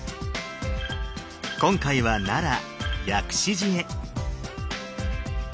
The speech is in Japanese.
今回は奈良薬師寺へ。